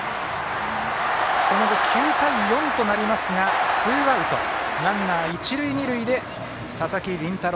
その後、９対４となりますがツーアウトランナー、一塁二塁で佐々木麟太郎。